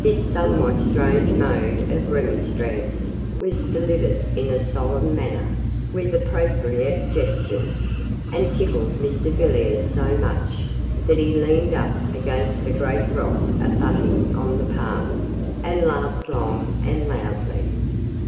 This somewhat strange mode of remonstrance was delivered in a solemn manner, with appropriate gestures, and tickled Mr Villiers so much that he leaned up against a great rock abutting on the path, and laughed long and loudly.